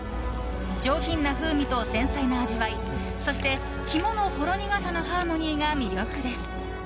上品な風味と繊細な味わいそして、肝のほろ苦さのハーモニーが魅力です。